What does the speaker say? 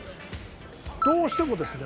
どうしてもですね